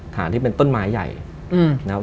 ฐานที่เป็นต้นไม้ใหญ่นะครับ